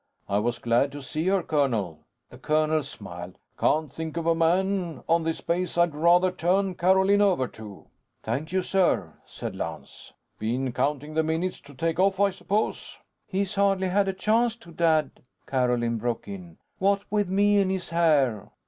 "I was glad to see her, colonel." The colonel smiled. "Can't think of a man on this base I'd rather turn Carolyn over to." "Thank you, sir," said Lance. "Been counting the minutes to take off, I suppose?" "He's hardly had a chance to, Dad," Carolyn broke in. "What with me in his hair!"